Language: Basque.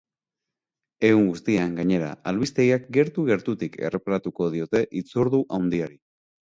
Egun guztian, gainera, albistegiak gertu-gertutik erreparatuko diote hitzordu handiari.